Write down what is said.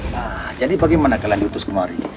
nah jadi bagaimana kalian diutus kemarin